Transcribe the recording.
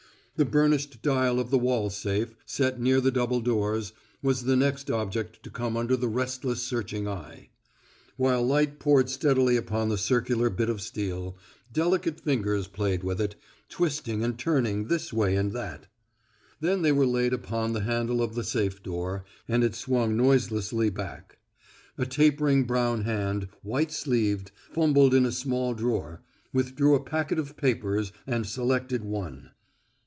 The burnished dial of the wall safe, set near the double doors, was the next object to come under the restless searching eye. While light poured steadily upon the circular bit of steel, delicate fingers played with it, twisting and turning this way and that. Then they were laid upon the handle of the safe door, and it swung noiselessly back. A tapering brown hand, white sleeved, fumbled in a small drawer, withdrew a packet of papers and selected one.